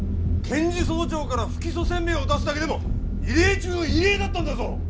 検事総長から不起訴宣明を出すだけでも異例中の異例だったんだぞ！